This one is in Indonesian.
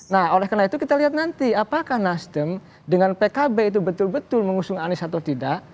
nah oleh karena itu kita lihat nanti apakah nasdem dengan pkb itu betul betul mengusung anies atau tidak